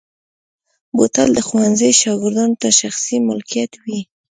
بوتل د ښوونځي شاګردانو ته شخصي ملکیت وي.